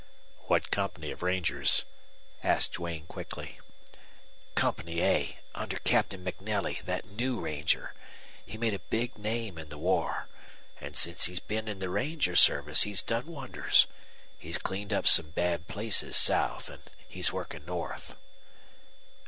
"What company of rangers?" asked Duane, quickly. "Company A, under Captain MacNelly, that new ranger. He made a big name in the war. And since he's been in the ranger service he's done wonders. He's cleaned up some bad places south, and he's working north."